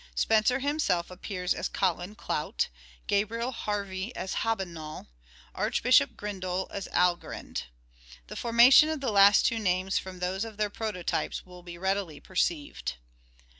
Spenser himself appears as " Colin Clout," Gabriel Harvey as " Hobbinol," Archbishop Grindal as " Algrind." The formation of the last two names from those of their prototypes will be readily perceived.